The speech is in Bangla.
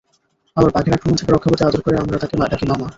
আবার বাঘের আক্রমণ থেকে রক্ষা পেতে আদর করে আমরা তাকে ডাকি মামা।